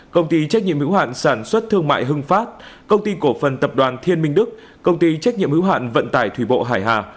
công ty trách nhiệm hữu hạn sản xuất thương mại hưng pháp công ty cổ phần tập đoàn thiên minh đức công ty trách nhiệm hữu hạn vận tải thủy bộ hải hà